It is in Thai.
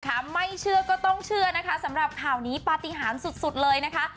ไม่เชื่อก็ต้องเชื่อนะคะสำหรับข่าวนี้ปฏิหารสุดสุดเลยนะคะ